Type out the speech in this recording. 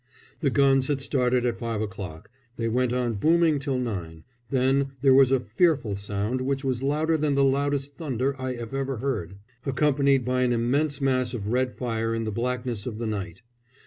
The guns had started at five o'clock, they went on booming till nine, then there was a fearful sound which was louder than the loudest thunder I ever heard, accompanied by an immense mass of red fire in the blackness of the night.